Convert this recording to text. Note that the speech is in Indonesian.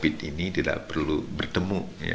covid ini tidak perlu bertemu